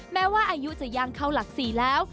แม้ว่าอายุจะย่างเข้าหลัก๔แล้ว